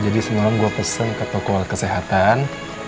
jadi semalam gue pesen ke toko kesehatan